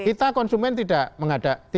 kita konsumen tidak mengharapkan listrik